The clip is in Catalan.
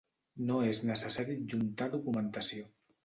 No és necessari adjuntar documentació.